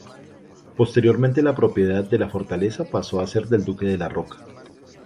Posteriormente la propiedad de la fortaleza pasó a ser del Duque de la Roca.